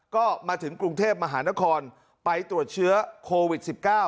ก็มาถึงกรุงเทพมหานครไปตรวจเชื้อโควิด๑๙